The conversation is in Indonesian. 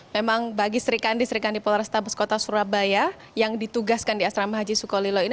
memang bagi serikandi serikandi polrestabes kota surabaya yang ditugaskan di asrama haji sukolilo ini